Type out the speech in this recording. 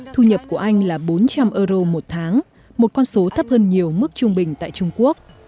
thu nhập của anh là bốn trăm linh euro một tháng một con số thấp hơn nhiều mức trung bình tại trung quốc